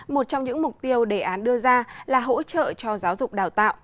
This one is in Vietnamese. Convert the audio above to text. một trong những mục tiêu đề án đưa ra là hỗ trợ cho giáo dục đào tạo